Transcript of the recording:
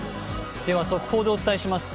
速報でお伝えします。